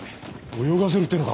泳がせるってのか？